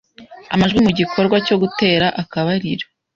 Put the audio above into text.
‘amajwi mu gikorwa cyo gutera akabariro